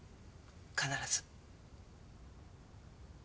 必ず。